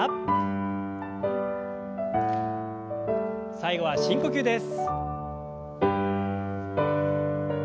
最後は深呼吸です。